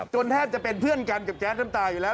แทบจะเป็นเพื่อนกันกับแจ๊ดน้ำตาอยู่แล้ว